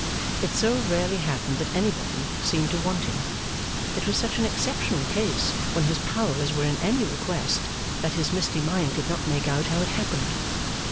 It so rarely happened that anybody seemed to want him, it was such an exceptional case when his powers were in any request, that his misty mind could not make out how it happened.